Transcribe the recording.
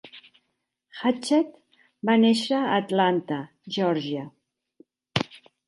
Hatchett va néixer a Atlanta, Geòrgia.